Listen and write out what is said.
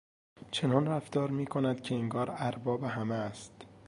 چنان رفتار میکند که انگار ارباب همه است!